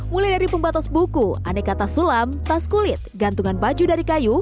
mulai dari pembatas buku aneka tas sulam tas kulit gantungan baju dari kayu